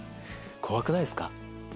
怖くないですか？